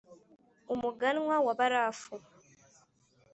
umuganwa wa barafu